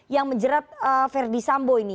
yang menjerat verdi sambo ini